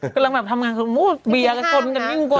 กำลังแบบทำงานคือเบียกับคนมันก็ยิ่งกว่า